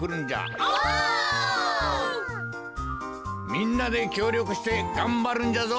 みんなできょうりょくしてがんばるんじゃぞ。